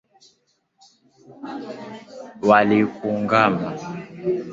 Walikuungama.